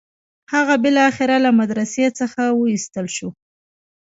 هغه بالاخره له مدرسې څخه وایستل شو.